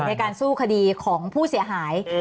ในการสู้คดีของผู้เสียหาย